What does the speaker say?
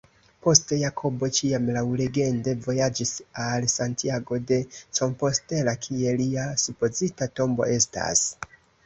Poste, Jakobo ĉiam laŭlegende vojaĝis al Santiago de Compostela kie lia supozita tombo estas.